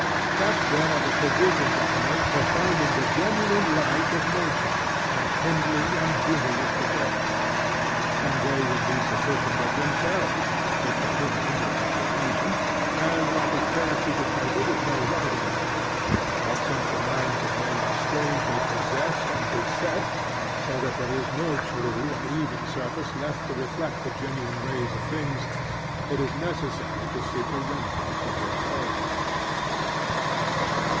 Such then are the provisions I make for finding the genuine light of nature and kindling and bringing it to bear. And they would be sufficient of themselves, if the human intellect were even, and like a fair sheet of paper with no writing on it. But since the minds of men are strangely possessed and beset, so that there is no true and even surface left to reflect the genuine rays of things, it is necessary to seek a remedy for this also.